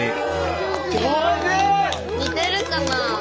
似てるかなあ？